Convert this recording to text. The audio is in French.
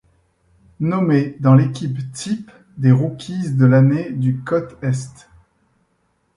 Nommé dans l'équipe type des rookies de l'année du côté Est.